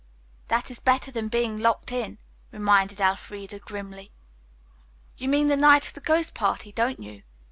"That is better than being locked in," reminded Elfreda grimly. "You mean the night of the ghost party, don't you?"